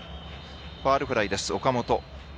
ファウルフライです、岡本。